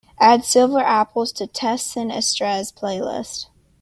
Add silver apples to teh sin estrés playlist.